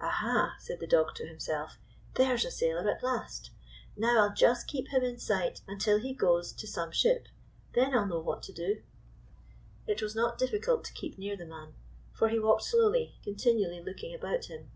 "Aha!" said the dog to himself, "there's a sailor at last! Now, I 'll just keep him in sight until he goes to some ship. Then I 'll know what to do." It was not difficult to keep near the man; for lie walked slowly, continually looking about him.